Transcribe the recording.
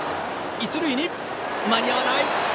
一塁、間に合わない！